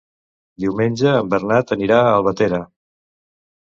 Diumenge en Bernat anirà a Albatera.